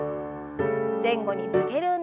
前後に曲げる運動です。